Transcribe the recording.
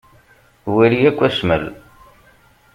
Wali akk asmel.